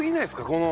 この。